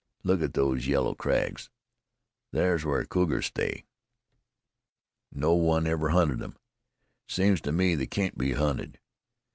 Look at those yellow crags! Thar's where the cougars stay. No one ever hunted 'em. It seems to me they can't be hunted.